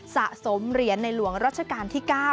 สะสมเหรียญในหลวงรัชกาลที่๙